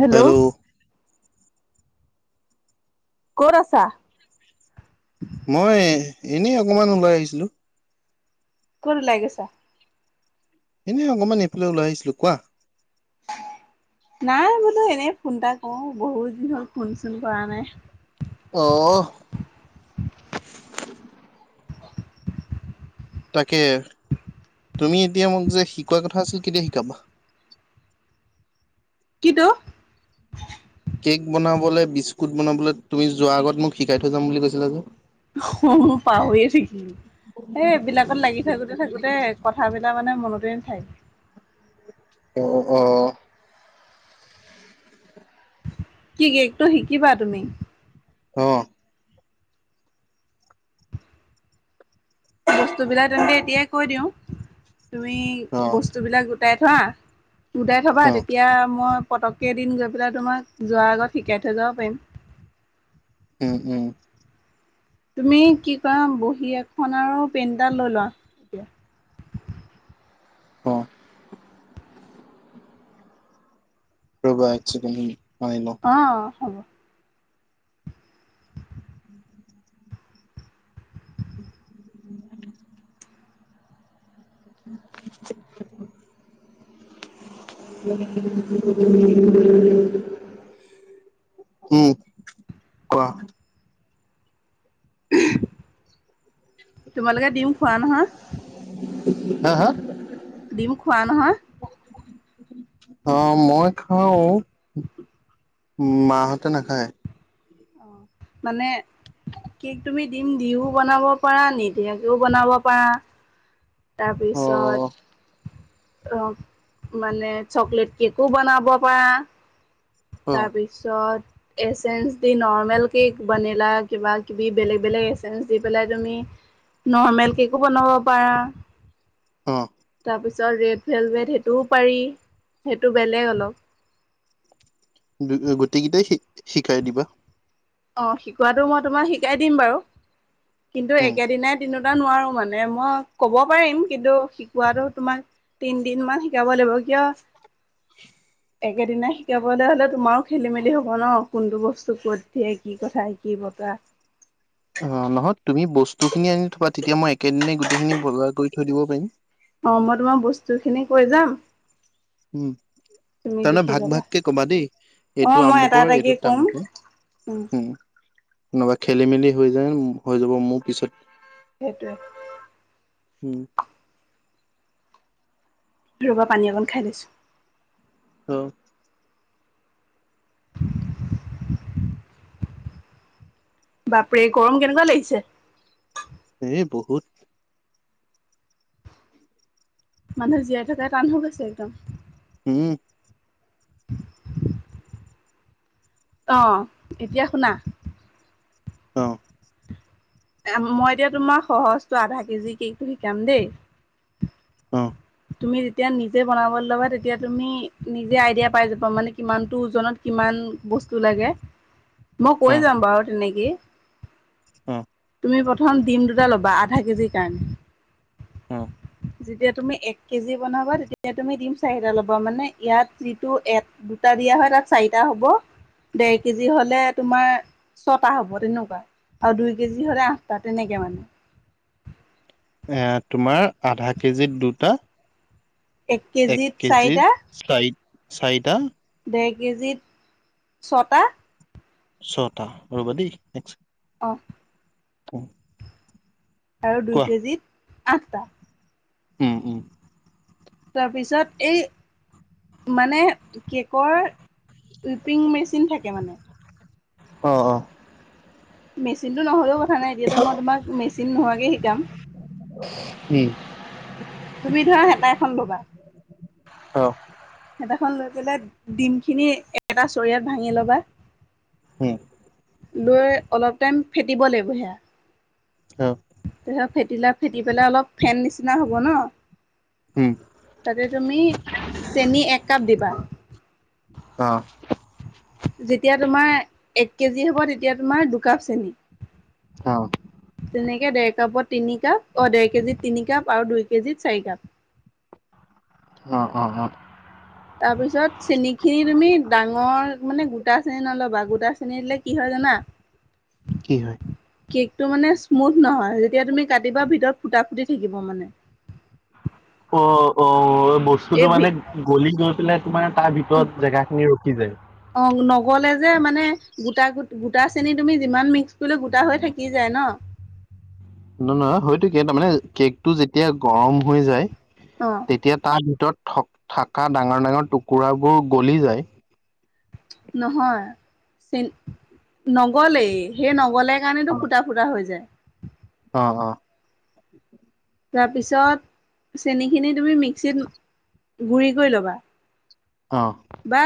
Hello ক'ত আছা? মই এনেই অকমান ওলাই আহিছিলো। কত ওলাই গৈছা? এনেই অকনমান এইফালে ওলাই আহিছিলো, কোৱা? [inaudible] নাই বোলো এনেই ফোন এটা কৰো, বহুত দিন হল ফোন চোন কৰা নাই। অঅ তাকে, তুমি এতিয়া মোক যে শিকোৱা কথা আছিল কেতিয়া শিকাবা? কি তো? কেক বনাবলৈ, বিস্কুট বনাবলৈ তুমি যোৱাৰ আগত মোক শিকাই থৈ যাম বুলি কৈছিলা যে। অহ পাহৰিয়ে থাকিলো। এ এই বিলাকত লাগি থাকোতে থাকোতে কথাবিলাক মানে মনতে থাকে। অ অ অ কি কেকটো শিকিবা তুমি? অ বস্তুবিলাক তেন্তে এতিয়াই কৈ দিওঁ, তুমি অ বস্তুবিলাক গোটাই থোৱা গোটাই থবা অ তেতিয়া মই- পটকক এদিন গৈ পেলাই তোমাক যোৱাৰ আগত শিকাই থৈ যাব পাৰিম। উম উম। তুমি কি কৰা বহী এখন আৰু পেইণ্ এটা লৈ লোৱা। এতিয়া- [unintelligible] অ ৰবা একচেকেন কি অ হ'ব- উ [unintelligible] [unintelligible] উম কোৱা? তোমালোকে দিম খোৱা নহয়। হা হা দিম খোৱা নহয়। অ মই খাও মাহতে নাখায়- অ মানে- কেক তুমি দিম দিও বনাব পাৰা নিদিয়াকেও বনাব পাৰা। অ তাৰপিছত- আহ মানে চকলেট কেকো বনাব পাৰা। অ তাৰপিছত এচ এঞ্চ য নৰ্মেল কেক বনিলা কিবা কিবি বেলেগ বেলেগ এচেমচ দি পেলাই তুমি। নৰ্মেল কেকো বনাব পাৰা। অ তাৰপিছত ৰেড ভেল ভেট সেইটোও পাৰি সেইটো বেলেগ অলপ- দুই গোটেইকেইটাই শিক শিকাই দিবা। অ শিকোৱাটো মই তোমাক শিকাই দিম বাৰু কিন্তু উম একেদিনাই দিনত- নোৱাৰো মানে মই ক'ব পাৰিম কিন্তু শিকোৱাটো তোমাক- তিনিদিন মান শিকাব লাগিব কিয়। একেদিনা শিকাবলে হ'লে তোমাৰো খেলি মেলি হব ন কোনটো বস্তু ক'ত- হে কি কথা কি বতৰা- অ নহয় তুমি বস্তুখিনি আনি থবা তেতিয়া মই একেদিন গোটেইখিনি বজাৰ কৰি থৈ দিব পাৰিম। অ মই তোমাৰ বস্তু খিনি কৈ যাম। উম তুমি তাৰমানে লিখি ভাগ যাবা ভাগকে কবা দেই অ এইটো মই এটা আমুকৰ এটাকে এইটো কম তামুকৰ উম নহলেবা খেলি মেলি হৈ যায় হৈ যাব মোৰ পিছত সেইটোৱে হম ৰ'বা পানী অকণ খাই লৈছোঁ। অ বাপৰে গৰম কেনেকুৱা লাগিছে এ বহুত মানুহ জীয়াই থাকাই টান হৈ গৈছে একদম উম অ এতিয়া শুনা অ মই এতিয়া তোমাৰ সহজটো আধা কেজি কেকটো শিকাম দেই- অ তুমি যেতিয়া নিজে বনাবলৈ ল'বা তেতিয়া তুমি নিজে আইডিয়া পাই যাবা মানে কিমানটো ওজনত কিমান। বস্তু লাগে মই কৈ অ যাম বাৰু তেনেকেই অ তুমি প্ৰথম ডিম দুটা ল'বা আধা কেজিৰ কাৰণে উম। যেতিয়া তুমি এক। কেজি বনাবা তেতিয়া তুমি দিম চাৰিটা ল'বা মানে ইয়াত যিটো এট দুটা দিয়া হয় তাত চাৰিটা হব ঢেৰ কেজি হলে তোমাৰ ছটা হ'ব তেনেকুৱা আৰু দুই কেজি হলে আঠটা তেনেকে মানে এ তোমাৰ আধা কেজিত দুটা এক কেজিত চাৰিটা কেজিত চাৰি চাৰিটা ঢেৰ কেজিত ছটা ছটা ৰবা দেই এক ছেকেণ্ড অ অ আৰু দুই কেজিত আঠটা উম উম তাৰপিছত এই মানে কেকৰ উইপিং মেচিন থাকে মানে অ অ মেচিনটো নহ'লেও কথা নাই এতিয়াতো মই তোমাক মেচিন নোহোৱাকে শিকাম উম তুমি ধৰা হেতা এখন লবা অ খন লৈ পেলাই ডিম খিনি এটা চৰিয়াত ভাঙি ল'বা। হম। লৈ অলপ টাইম ফেটিব লাগিব সেয়া। অ ফেটিলা ফেটি পেলাই অলপ ফেন নিচিনা হ'ব ন। হম। তাতে তুমি চেনি এক কাপ দিবা। অ। যেতিয়া তোমাৰ এক কেজি হ'ব তেতিয়া তোমাৰ দুকাপ চেনি। অ তেনেকে ডেৰ কাপত। তিনি কাপ অ ডেৰ কেজিত তিনি কাপ আৰু দুই কেজিত চাৰি কাপ। উ উ অ। তাৰ পিছত চেনি খিনি তুমি ডাঙৰ। মানে গোটা চেনী নল'বা গোটা চেনী দিলে কি হয় জানা। কি হয়? কেকটো মানে স্মুথ নহয় যেতিয়া তুমি কাটিবা ভিতৰত ফুটা ফুটি থাকিব মানে। অ অ বস্তুটো এই ভি মানে গলি গৈ পেলাই তানে তাৰ ভিতৰত জেগা খিনি ৰখি যায়। অ' নগ'লে যে মানে গোটা গোটা চেনী তুমি যিমান মিক্স কৰিলে গোটা হৈ থাকি যায় ন। নহ নহয় হয়তটো কেই তাৰ মানে কেক টো যেতিয়া গৰম হৈ যায়। অ' তেতিয়া তাৰ ভিতৰত থ থকা ডাঙৰ ডাঙৰ টুকুৰাবোৰ গলি যায়। নহয় চ নগলেই সেই নগলে। সেইকাৰণেতো অ', ফুটা ফুটা হৈ যায়। অ অ। তাৰপিছত চেনিখিনি তুমি মিক্সিত গুড়ি কৰি ল'বা। অহ। বা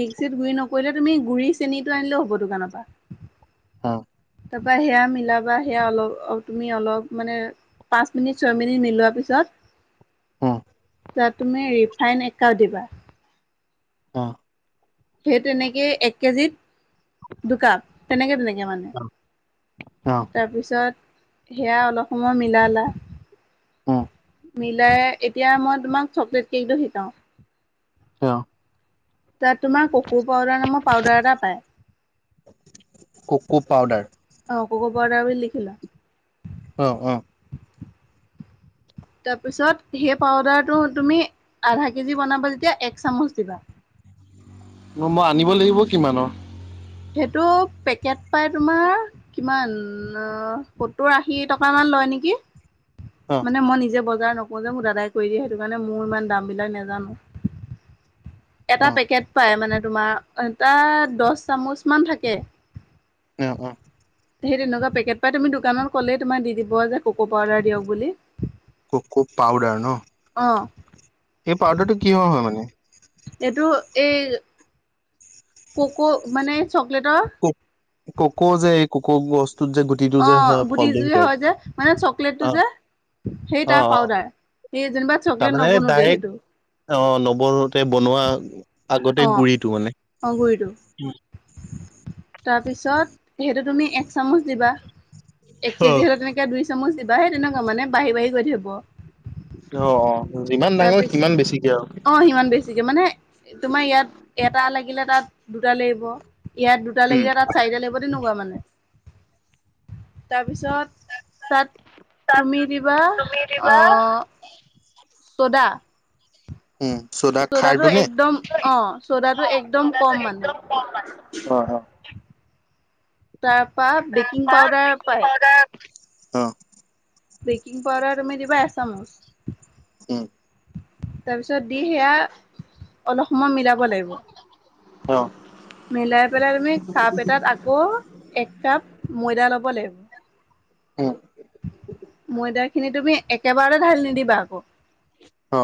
মিক্সিত গুৰি নকৰিলে তুমি গুড়ি চেনিটো আনিলেও হ'ব দোকানৰ পৰা। অ। তাৰপা সেয়া মিলাবা সেয়া অলপ তুমি অলপ মানে। পাঁচ মিনিট ছয় মিনিট মিলোৱা পিছত। হ। তাত তুমি ৰিফাইন একাও দিবা অ সেই তেনেকেই এক কেজিত দুকাপ তেনেকে তেনেকে মানে। অ', তাৰপিছত সেয়া অলপ সময় মিলালা। অ। মিলাই এতিয়া মই তোমাক চকলেট কেকটো শিকাওঁ। অ। তাত তোমাৰ ক ককো পাউদাৰ নামৰ পাউদাৰ এটা পায় অ। কোকো পাউদাৰ কক পাউদাৰ বুলি লিখিলা। অ অ। তাৰপিছত সেই পাউদাৰটো তুমি আধা কেজি বনাবা যেতিয়া এক চামুচ দিবা। [unintelligible] মই আনিব লাগিব কিমানৰ। সেইটো পেকেট পাই তোমাৰ কিমান সত্তৰ আশী টকা মান। লয় নেকি অ', মানে মই নিজে ব। বজাৰ নকওঁ যে মোক দাদাই কৰি দিয়ে সেইটো কাৰণে মোৰ ইমান দাম বিলাক নাজানো। এটা অ', পেকেট পায় মানে তোমাৰ এটা দহ চামুচমান থাকে। অ অ সেই তেনেকুৱা পেকেট পাই তুমি দোকানত ক'লেই তোমাক দি দিব যে কক পাউদাৰ দিয়ক বুলি ক ক পাউদাৰ ন অ' এই পাউদাৰটো কিহৰ হয় মানে এইটো এই কোকো মানে চকলেটৰ কক জে এই কক গছ অ গুটি চুটি হয় যে মানে চকলেটটো অ যে সেই অ তাৰ অ পাউদাৰ সি যেনিবা চকলেট তাৰমানে নবনো দে ডাইৰেক্ট সেইটো অ নৱনোতে বনোৱা আগতে অ' গুৰিটো মানে অ' গুৰিটো। তাৰপিছত সেইটো তুমি এক চামুচ দিবা এক অ কেজি হলে তেনেকে দুই চামুচ দিবা সেই তেনেকুৱা মানে বাঢ়ি বাঢ়ি গৈ থাকিব অ অ যিমান ডাঙৰ তাৰপিছ সিমান বেছিকে আৰু অ সিমান বেছিকে মানে তোমাৰ ইয়াত এটা লাগিলে তাত দুটা লাগিব ইয়াত দুটা উম লাগিলে তাত চাৰিটা লাগিব তেনেকুৱা মানে তাৰপিছত তাত তাত তুমি দিবা তুমি দিবা আহ চ'দা উম চদা চ'দাটো খাৰটো নে একদম অ চ'দাটো একদম কম মানে অ হয় তাৰ পৰা তাৰ বেকিং পৰা পাউদাৰ বেকিং পায় পাউডাৰ অ বেকিং পাউদাৰ তুমি দিবা এচামুচ উম তাৰপিছত দি সেয়া অলপ সময় মিলাব লাগিব অ মিলাই পেলাই তুমি কাপ এটাত আকৌ এক কাপ ময়দা ল'ব লাগিব উম ময়দা খিনি তুমি একেবাৰতে ঢালি নিদিবা আকৌ অ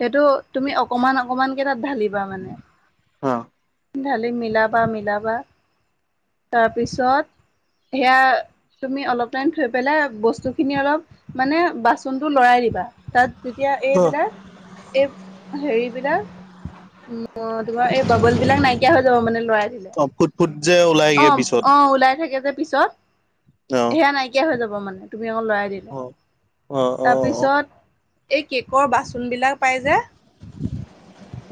সেইটো তুমি অকমান অকমানকে তাত ঢালিবা মানে অ ঢালি মিলাবা মিলাবা তাৰপিছত সেয়া তুমি অলপ টাইম থৈ পেলাই বস্তুখিনি অলপ মানে বাচনতটো লৰাই দিবা তাত যেতিয়া অ এইবিলাক এই হেৰিবিলাক, অ তোমাৰ এই বাবল বিলাক নাইকিয়া হৈ যাব মানে লৰাই দিলে। অ ফুট ফুট যে অ ওলাইগে পিছত অ ওলাই থাকে যে পিছত, অ সেয়া নাইকিয়া হৈ যাব মানে। অ অ অ অ [unintelligible] এই কেকৰ বাচনবিলাক পাই যে,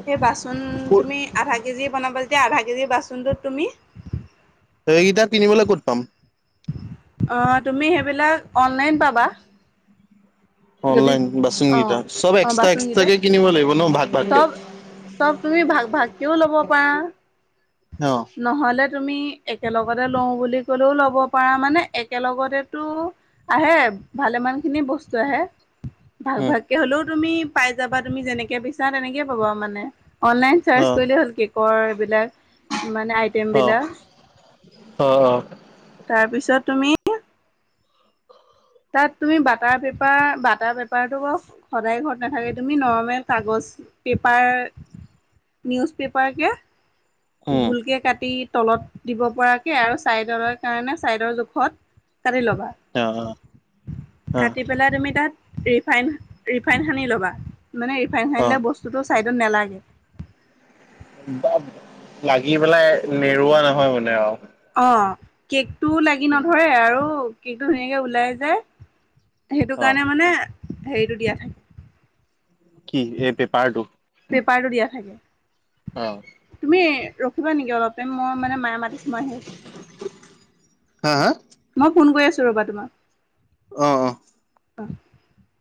সেই বাচন ক'ত তুমি আধা কেজি বনাব তেতিয়া আধা এই বাচনটোত তুমি ত এইকেইটা কিনিবলৈ ক'ত পাম? অ তুমি সেইবিলাক অনলাইন পাবা। যদি অনলাইন বাচন অ' কেইটা। চব অ' এক্সট্ৰা বাচনকেইটা এক্সট্ৰাকে কিনিব লাগিব ন ভাগ ভাগকে? চব চব তুমি ভাগ ভাগকেও ল'ব পাৰা, অ। নহ'লে তুমি একেলগতে লও বুলি ক'লেও ল'ব পাৰা। মানে একেলগতেতো আহে, ভালেমান খিনি বস্তু আহে। ভাগ উম ভাগকে হ'লেও তুমি পাই যাবা তুমি যেনেকে বিচাৰা তেনেকে পাবা মানে। অনলাইন চাৰ্চ অ কৰিলে হ'ল কেকৰ এইবিলাক মানে আইটেম অ বিলাক। অ অ তাৰপিছত তুমি তাত তুমি বাটাৰ পেপাৰ বাটাৰ পেপাৰটো ব সদায় ঘৰত নাথাকে, তুমি নৰমেল কাগজ পেপাৰ নিউজ পেপাৰ কে উম গোলকে কাটি, তলত দিব পৰাকে আৰু ছাইডৰ কাৰণে ছাইডৰ জোখত কাটি ল'বা। অ অ কাটি পেলাই তুমি তাত ৰিফাইন হানি লবা, মানে অ অ ৰিফাইন বস্তুটো নালাগে। লাগি পেলাই নেৰুৱা নহয় মানে আৰু। অ কেকটো লাগি নধৰে আৰু কেকটো ধুনীয়াকে ওলাই যায়। সেইটো অ কাৰণে মানে হেৰিটো দিয়া থাকে। কি এই পেপাৰটো পেপাৰটো দিয়া থাকে। অ তুমি ৰখিবা নেকি অলপ, মই মানে মায়ে মাতিছো মই আহি আছো। হা হা। কৰি আছোঁ ৰ'বা তোমাৰ। অ অ। বা [unintelligible]